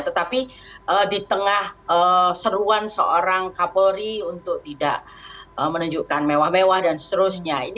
tetapi di tengah seruan seorang kapolri untuk tidak menunjukkan mewah mewah dan seterusnya